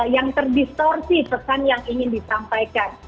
yang terdistorsi pesan yang ingin disampaikan